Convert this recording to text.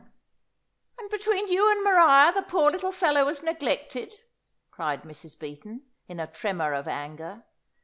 "And between you and Maria the poor little fellow was neglected," cried Mrs. Beaton, in a tremor of anger.